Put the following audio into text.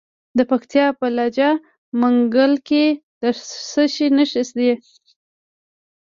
د پکتیا په لجه منګل کې د څه شي نښې دي؟